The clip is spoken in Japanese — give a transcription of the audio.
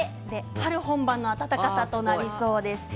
春本番の暖かさになりそうです。